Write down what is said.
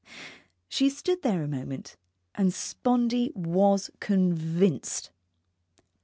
She stood there a moment and Spondee was convinced.